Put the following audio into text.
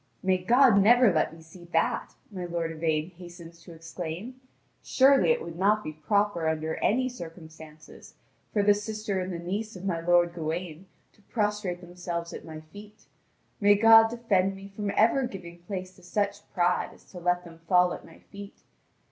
"May God never let me see that!" my lord Yvain hastens to exclaim; "surely it would not be proper under any circumstances for the sister and the niece of my lord Gawain to prostrate themselves at my feet. May God defend me from ever giving place to such pride as to let them fall at my feet!